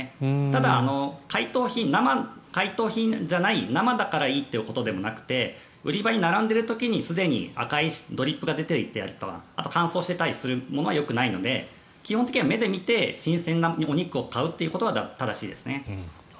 ただ、解凍品じゃない生だからいいということでもなくて売り場に並んでいる時にすでに赤いドリップが出ていたりとかあとは乾燥しているものはよくないので基本的には目で見て新鮮なお肉を買うということが正しいですね。